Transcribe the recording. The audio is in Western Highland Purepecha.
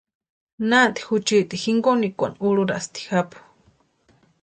Naanti juchiti jinkonekwani úrhurasti japu.